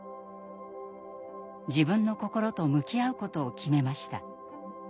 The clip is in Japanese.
自分の心と向き合うことを決めました。